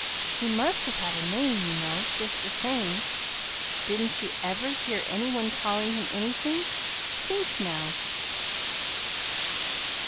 "He must have had a name, you know, just the same. Didn't you ever hear any one call him anything? Think, now."